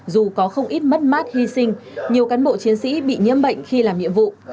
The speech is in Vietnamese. dù có không ít mất mát hy sinh nhiều cán bộ chiến sĩ bị nhiễm bệnh khi làm nhiệm vụ